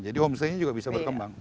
jadi homestay nya juga bisa berkembang